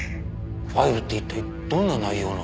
ファイルって一体どんな内容の。